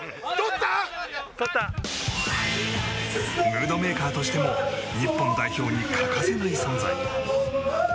ムードメーカーとしても日本代表に欠かせない存在。